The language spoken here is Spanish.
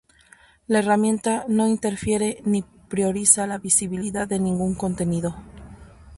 La herramienta no interfiere ni prioriza la visibilidad de ningún contenido.